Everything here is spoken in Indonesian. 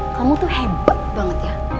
kamu tuh hebat banget ya